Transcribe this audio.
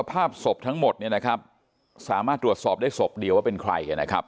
ภาพศพทั้งหมดเนี่ยนะครับสามารถตรวจสอบได้ศพเดียวว่าเป็นใครนะครับ